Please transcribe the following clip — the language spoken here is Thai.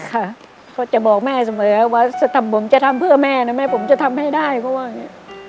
ค่ะก็จะบอกแม่เสมอว่าผมจะทำเพื่อแม่นะแม่ผมจะทำให้ได้เพราะว่าอย่างนี้